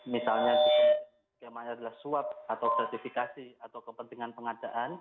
misalnya skemanya adalah suap atau gratifikasi atau kepentingan pengadaan